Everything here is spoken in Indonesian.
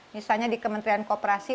misalnya di kementerian kooperasi